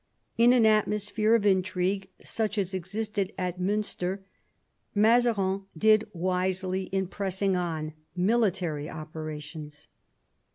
In an atmosphere of intrigue such as existed at Miinster, Mazarin did wisely in pressing on military operations.